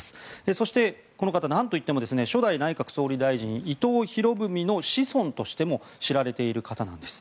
そしてこの方、なんといっても初代内閣総理大臣伊藤博文の子孫としても知られている方なんです。